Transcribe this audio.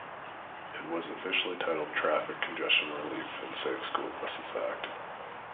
It was officially titled Traffic Congestion Relief and Safe School Buses Act.